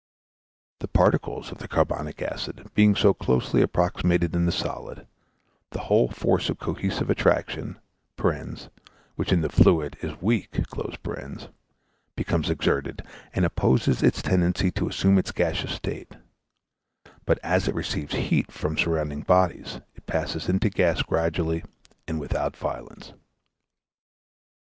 The particles of the carbonic acid being so closely approximated in the solid, the whole force of cohesive attraction (which in the fluid is weak) becomes exerted, and opposes its tendency to assume its gaseous state; but as it receives heat from surrounding bodies, it passes into gas gradually and without violence.